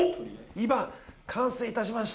今完成いたしました。